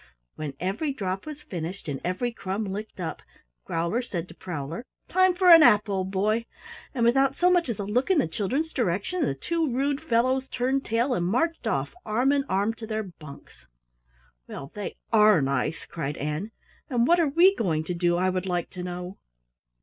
When every drop was finished and every crumb licked up, Growler said to Prowler, "Time for a nap, old boy," and without so much as a look in the children's direction the two rude fellows turned tail and marched off arm in arm to their bunks. "Well, they are nice!" cried Ann. "And what are we going to do, I would like to know?"